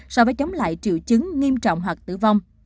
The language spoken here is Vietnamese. so với chống lại triệu chứng nghiêm trọng hoặc tử vong